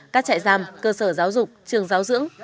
các trại giam cơ sở giáo dục trường giáo dưỡng